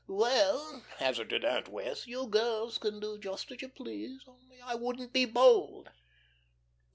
"Well," hazarded Aunt Wess', "you girls can do just as you please. Only I wouldn't be bold."